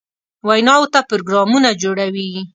ویناوو ته پروګرامونه جوړوي.